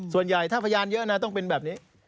ส่วนใหญ่ถ้าพยานเยอะนะต้องเป็นแบบนี้